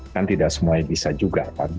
kan tidak semuanya bisa juga kan